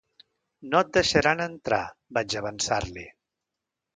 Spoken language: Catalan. No et deixaran entrar, vaig avançar-li.